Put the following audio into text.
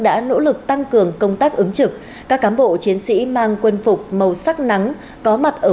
đã nỗ lực tăng cường công tác ứng trực các cám bộ chiến sĩ mang quân phục màu sắc nắng có mặt ở